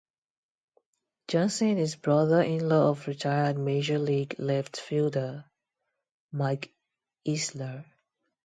Johnson is brother-in-law of retired Major League left fielder Mike Easler.